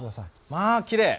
まあきれい！